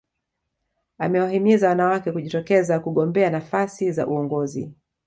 Amewahimiza wanawake kujitokeza kugombea nafasi za uongozi